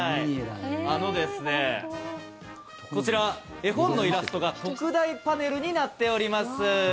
あのですね、こちら絵本のイラストが特大パネルになっております。